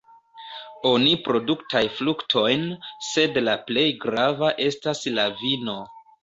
Oni produktaj fruktojn, sed la plej grava estas la vino.